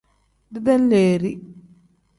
Bidenleeri.